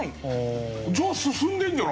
じゃあ進んでるんじゃないのかな。